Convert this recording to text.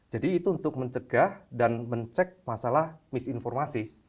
jadi itu untuk mencegah dan mencegah masalah misinformasi